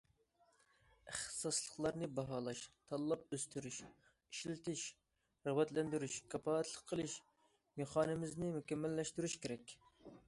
ئىختىساسلىقلارنى باھالاش، تاللاپ ئۆستۈرۈش، ئىشلىتىش، رىغبەتلەندۈرۈش، كاپالەتلىك قىلىش مېخانىزمىنى مۇكەممەللەشتۈرۈش كېرەك.